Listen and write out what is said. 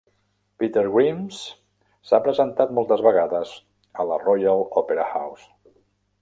"Peter Grimes" s'ha presentat moltes vegades a la Royal Opera House.